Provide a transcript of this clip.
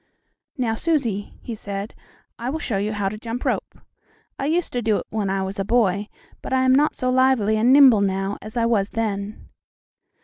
"Now, Susie," he said, "I will show you how to jump rope. I used to do it when I was a boy, but I am not so lively and nimble now as I was then."